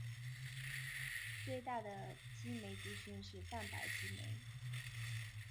最大的激酶族群是蛋白激酶。